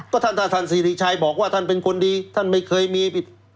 ก็ท่านถ้าท่านสิริชัยบอกว่าท่านเป็นคนดีท่านไม่เคยมีผิด